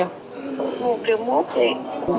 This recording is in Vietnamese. một liều mốt